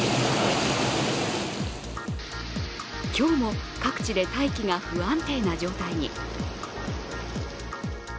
今日も各地で大気が不安定な状態に。